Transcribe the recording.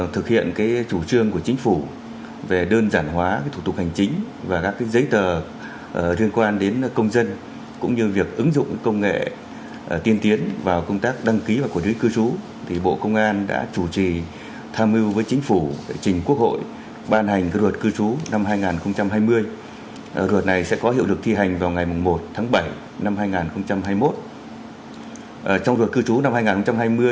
thực hiện cái chủ trương của chính phủ về đơn giản hóa cái thủ tục hành chính và các cái giấy tờ liên quan đến công dân cũng như việc ứng dụng công nghệ tiên tiến vào công tác đăng ký và quản lý cư trú thì bộ công an đã chủ trì tham mưu với chính phủ để trình quốc hội ban hành cơ luật cư trú năm hai nghìn hai mươi